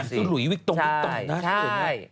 ใช่ใช่